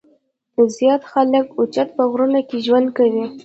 زيات خلک اوچت پۀ غرونو کښې ژوند کوي ـ